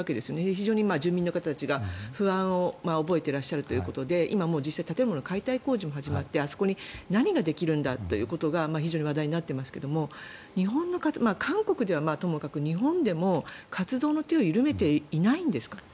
非常に住民の方たちが不安を覚えているということで今、実際建物の解体工事が始まってあそこに何ができるんだと話題になっていますが韓国ではともかく日本でも活動の手を緩めていないんですか。